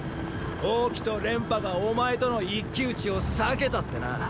王騎と廉頗がお前との一騎討ちを避けたってな。